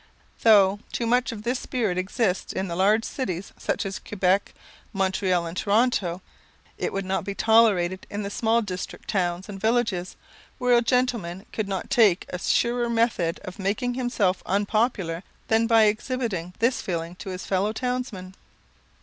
Though too much of this spirit exists in the large cities, such as Quebec, Montreal, and Toronto, it would not be tolerated in the small district towns and villages, where a gentleman could not take a surer method of making himself unpopular than by exhibiting this feeling to his fellow townsmen.